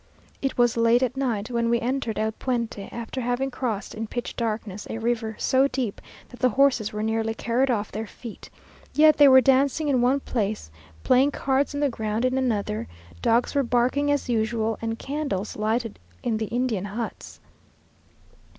It was late at night when we entered el Puente, after having crossed in pitch darkness a river so deep that the horses were nearly carried off their feet; yet they were dancing in one place, playing cards on the ground in another, dogs were barking as usual, and candles lighted in the Indian huts.